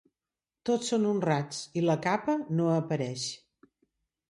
Tots són honrats i la capa no apareix.